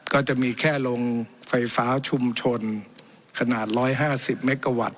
ก็จะมีแค่ลงไฟฟ้าชุมชนขนาดร้อยห้าสิบเมกาวัตต์